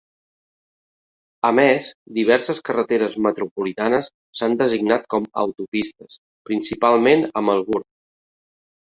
A més, diverses carreteres metropolitanes s'han designat com autopistes, principalment a Melbourne.